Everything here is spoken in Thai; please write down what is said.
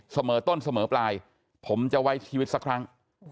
เสมอต้นเสมอปลายผมจะไว้ชีวิตสักครั้ง